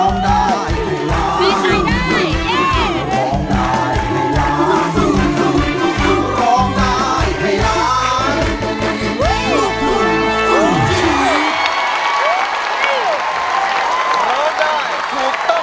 ไม่ใช่ได้